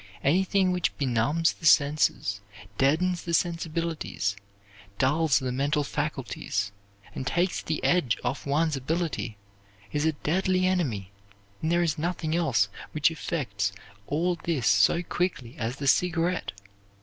Anything which benumbs the senses, deadens the sensibilities, dulls the mental faculties, and takes the edge off one's ability, is a deadly enemy, and there is nothing else which effects all this so quickly as the cigarette.